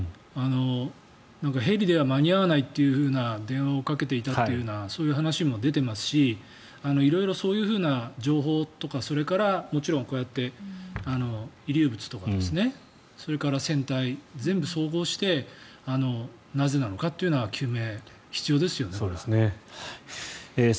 ヘリでは間に合わないというような電話をかけていたという話も出ていますし色々、そういう情報とかそれから、もちろんこうやって遺留物とかそれから船体、全部総合してなぜなのかという究明が必要ですよね、これは。